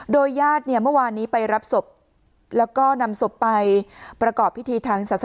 โดยญาติเนี่ยเมื่อวานนี้ไปรับศพแล้วก็นำศพไปประกอบพิธีทางศาสนา